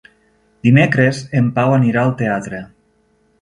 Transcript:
Dimecres en Pau anirà al teatre.